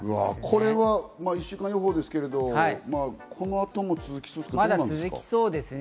これは１週間の予報ですけど、この後も続きそうですか？